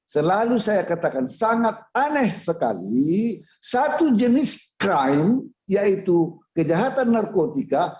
selalu saya katakan sangat aneh sekali satu jenis crime yaitu kejahatan narkotika